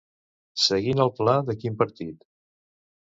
Seguint el pla de quin partit?